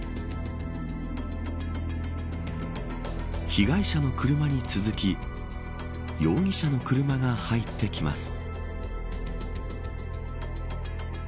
被害者の車に続き容疑者の車が入ってきます。